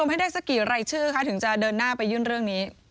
ให้ได้สักกี่รายชื่อคะถึงจะเดินหน้าไปยื่นเรื่องนี้